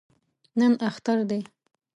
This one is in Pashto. نن اختر دی